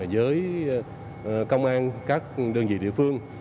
với công an các đơn vị địa phương